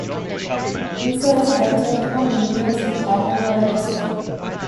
Mesier was a merchant from New York City and a Loyalist.